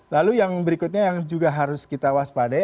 lalu yang berikutnya yang juga harus kita waspadai